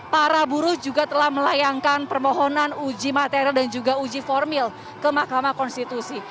para buruh juga telah melayangkan permohonan uji material dan juga uji formil ke mahkamah konstitusi